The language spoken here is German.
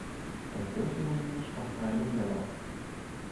Dann sind wir nämlich auf einem Nenner.